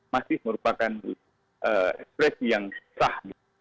masih merupakan ekspresi yang sah